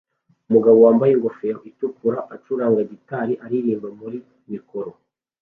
Umugabo wambaye ingofero itukura acuranga gitari aririmba muri mikoro